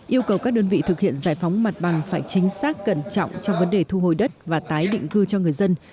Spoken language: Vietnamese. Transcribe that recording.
yêu cầu các đơn vị thực hiện giải phóng mặt bằng phải chính xác cẩn trọng trong vấn đề thu hồi đất và tái định cư cho người dân